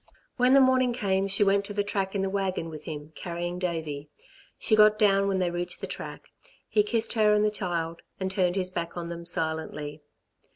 When the morning came she went to the track in the wagon with him, carrying Davey. She got down when they reached the track; he kissed her and the child, and turned his back on them silently.